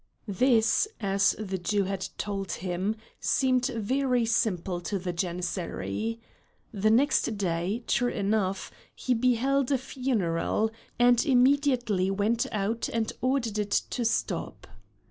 This, as the Jew had told him, seemed very simple to the Janissary. The next day, true enough, he beheld a funeral, and immediately went out and ordered it to stop.